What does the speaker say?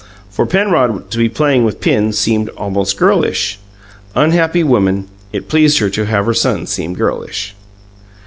For Penrod to be playing with pins seemed almost girlish. Unhappy woman, it pleased her to have her son seem girlish!